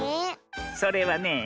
それはねえ